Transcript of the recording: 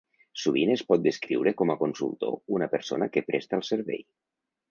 Sovint es pot descriure com a consultor una persona que presta el servei.